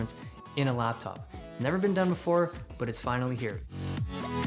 ini tidak pernah dilakukan sebelumnya tapi akhirnya di sini